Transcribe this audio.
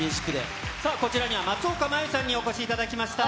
さあ、こちらには、松岡茉優さんにお越しいただきました。